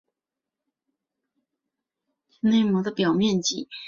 线粒体嵴的形成增大了线粒体内膜的表面积。